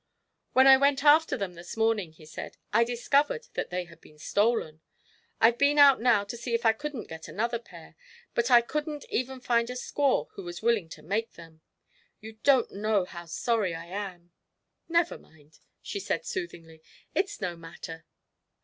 "When I went after them this morning," he said, "I discovered that they had been stolen. I've been out now to see if I couldn't get another pair, but I couldn't even find a squaw who was willing to make them. You don't know how sorry I am!" "Never mind," she said soothingly, "it's no matter.